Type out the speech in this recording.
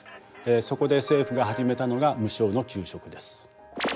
そこで政府が始めたのが無償の給食です。